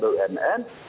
dia berhak untuk menolak